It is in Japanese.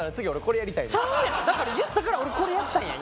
だから言ったから俺これやったんや。